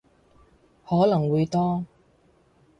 可能會多